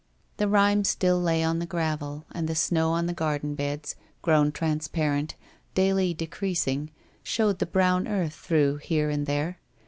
The rime still lay on the gravel, the snow on the garden beds, grown transparent, daily decreasing, showed the brown earth through here and there.